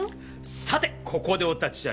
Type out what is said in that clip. さてここでお立ち会い！